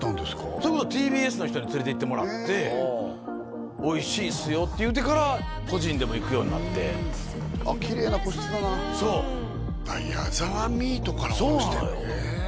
それこそＴＢＳの人に連れていってもらっておいしいっすよって言うてから個人でも行くようになってきれいな個室だなそうヤザワミートから卸してんだそうなのよ